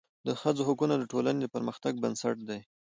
د ښځو حقونه د ټولني د پرمختګ بنسټ دی.